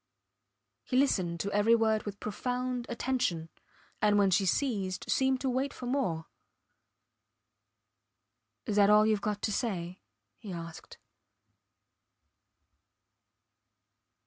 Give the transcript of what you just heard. He listened to every word with profound attention, and when she ceased seemed to wait for more. Is that all youve got to say? he asked.